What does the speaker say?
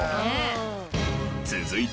続いて。